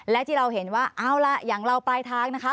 และที่เราเห็นว่าเอาล่ะอย่างเราปลายทางนะคะ